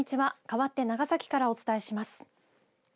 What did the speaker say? かわって長崎からお伝えします。